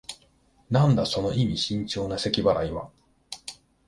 なんだ、その意味深長なせき払いは。